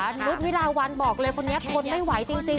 นุษย์วิลาวันบอกเลยคนนี้ทนไม่ไหวจริง